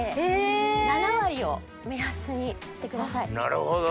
なるほど。